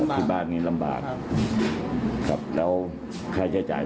ที่บ้านนี้ลำบากครับแล้วค่าใช้จ่าย